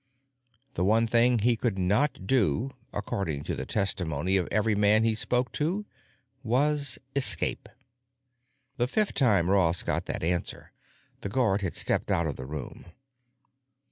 The one thing he could not do, according to the testimony of every man he spoke to, was escape. The fifth time Ross got that answer, the guard had stepped out of the room.